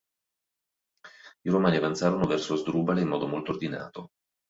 I romani avanzarono verso Asdrubale in modo molto ordinato.